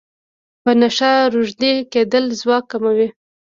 په نشه روږدی کیدل ځواک کموي.